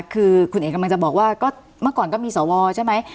คือคุณเอกนักมันจะบอกว่ามาก่อนก็มีสวใช่ไหม